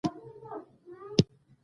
منی د افغانانو ژوند اغېزمن کوي.